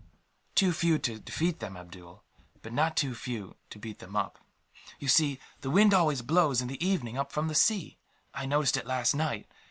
"Too few to defeat them, Abdool, but not too few to beat them up. You see, the wind always blows, in the evening, up from the sea. I noticed it last night.